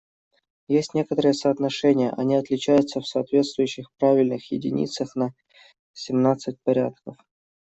Есть некое соотношение, они отличаются в соответствующих правильных единицах на семнадцать порядков.